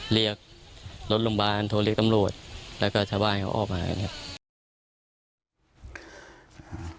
เรียกรถลงบาลโทรลิกตำรวจแล้วก็ชาวบ้านเขาออกมากันครับ